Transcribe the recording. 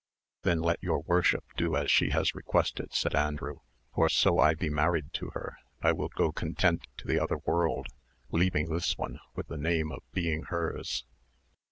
"Then, let your worship do as she has requested," said Andrew; "for so I be married to her, I will go content to the other world, leaving this one with the name of being hers."